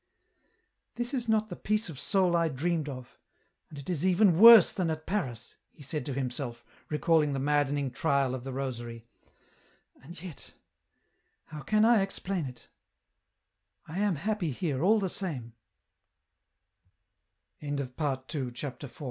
"This is not the peace of the soul I dreamed of — and it is even worse than at Paris," he said to himself, recalling the maddening trial of the rosary — "and yet — how can I explain it ? I am happy here all the same." CHAPTER V.